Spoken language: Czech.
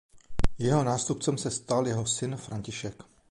Jeho nástupcem se stal jeho syn František.